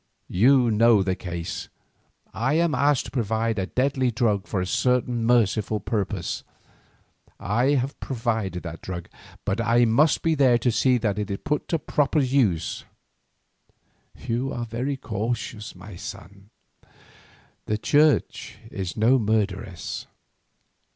You know the case. I am asked to provide a deadly drug for a certain merciful purpose. I have provided that drug, but I must be there to see that it is put to proper use." "You are very cautious, my son. The Church is no murderess.